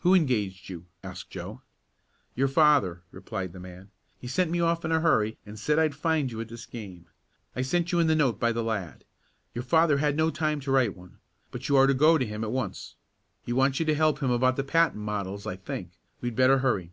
"Who engaged you?" asked Joe. "Your father," replied the man. "He sent me off in a hurry and said I'd find you at this game. I sent you in the note by the lad. Your father had no time to write one, but you are to go to him at once. He wants you to help him about the patent models I think. We'd better hurry."